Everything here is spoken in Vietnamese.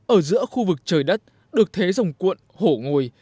ở giữa khu vực trời đất được thế dòng cuộn hổ ngồi